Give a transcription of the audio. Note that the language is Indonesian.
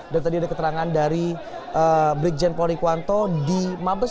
dan tadi ada keterangan dari brik jempol rikwanto di mabespori